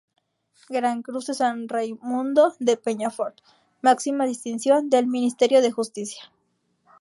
Gran Cruz de San Raimundo de Peñafort, máxima distinción del Ministerio de Justicia.